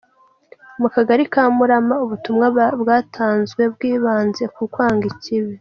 Mu kagari ka Murama ubutumwa bwatanzwe bwibanze ku kwanga ikibi.